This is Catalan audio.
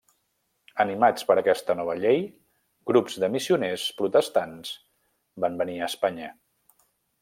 Animats per aquesta nova llei, grups de missioners protestants van venir a Espanya.